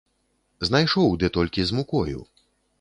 Знайшоў, ды толькі з мукою.